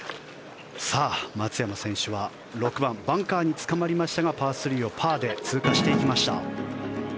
松山選手は６番バンカーにつかまりましたがパー３をパーで通過していきました。